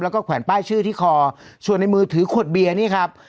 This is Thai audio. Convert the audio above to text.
แล้วก็แขวนป้ายชื่อที่คอส่วนในมือถือขวดเบียร์นี่ครับ